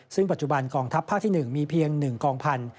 ซึ่งปัจจุบันกองทัพภาคที่๑มีเพียง๑กองพันธุ